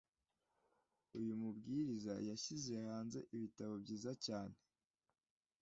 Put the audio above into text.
Uyu mubwiriza yashyize hanze ibitabo byiza cyane.